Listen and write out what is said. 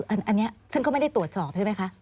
อันนี้ซึ่งก็ไม่ได้ตรวจสอบใช่ไหมคะ